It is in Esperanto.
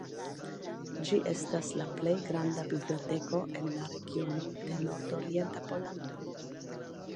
Ĝi estas la plej granda biblioteko en la regiono de nordorienta Pollando.